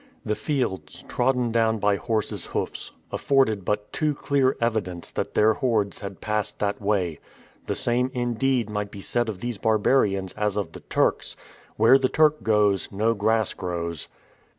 The fields, trodden down by horses' hoofs, afforded but too clear evidence that their hordes had passed that way; the same, indeed, might be said of these barbarians as of the Turks: "Where the Turk goes, no grass grows."